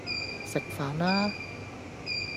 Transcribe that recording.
食飯啦!